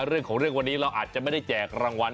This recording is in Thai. เรื่องของเรื่องวันนี้เราอาจจะไม่ได้แจกรางวัล